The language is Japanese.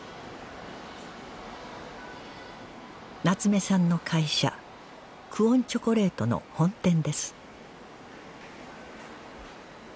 夏目さんの会社「久遠チョコレート」の本店です